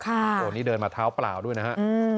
โอ้โหนี่เดินมาเท้าเปล่าด้วยนะฮะ